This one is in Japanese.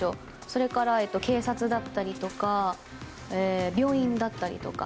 それから警察だったりとか病院だったりとか。